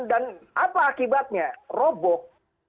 dan apa akibatnya roboh